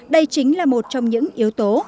đây chính là một trong những yếu tố